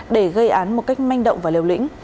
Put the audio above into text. để gây án một cách manh động và liều lĩnh